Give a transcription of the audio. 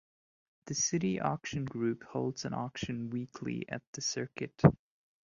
The City Auction Group holds an auction weekly at the circuit.